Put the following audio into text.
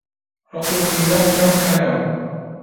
ڕقوکینە کەمبکەنەوە